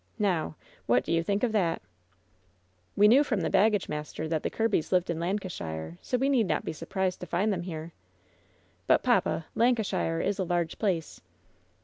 Now I What do you think of that ?" "We knew from the baggage master that the Kirbys lived in Lancashire, so we need not be surprised to find them here." "But, papa, Lancashire is a large place."